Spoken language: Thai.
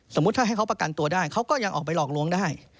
สมมุติถ้าให้เขาประกันตัวได้เขาก็ยังออกไปหลอกลวงได้